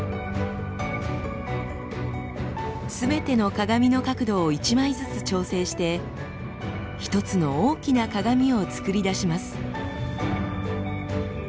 すべての鏡の角度を一枚ずつ調整して一つの大きな鏡を造り出します。